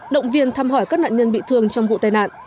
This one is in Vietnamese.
động viên thăm hỏi các nạn nhân bị thương trong vụ tai nạn